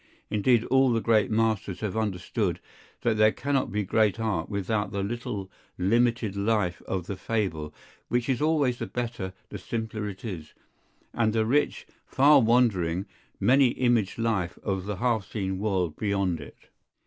Indeed all the great Masters have understood, that there cannot be great art without the little limited life of the fable, which is always the better the simpler it is, and the rich, far wandering, many imaged life of the half seen world beyond it.